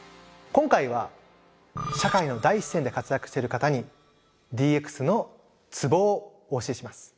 今回は社会の第一線で活躍している方にＤＸのツボをお教えします。